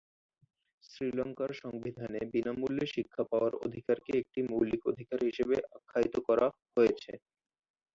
শ্রীলংকার সংবিধানে বিনামূল্যে শিক্ষা পাওয়ার অধিকারকে একটি মৌলিক অধিকার হিসাবে আখ্যায়িত করা হয়েছে।